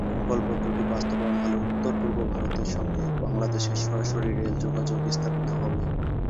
প্রকল্প দুটি বাস্তবায়ন হলে উত্তর-পূর্ব ভারতের সঙ্গে বাংলাদেশের সরাসরি রেল যোগাযোগ স্থাপিত হবে।